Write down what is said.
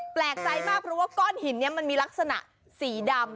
แปลกใจมากเพราะว่าก้อนหินนี้มันมีลักษณะสีดำ